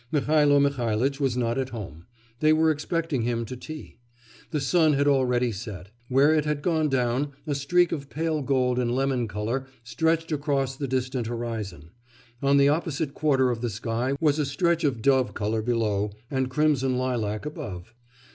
Mihailo Mihailitch was not at home; they were expecting him in to tea. The sun had already set. Where it had gone down, a streak of pale gold and of lemon colour stretched across the distant horizon; on the opposite quarter of the sky was a stretch of dove colour below and crimson lilac above.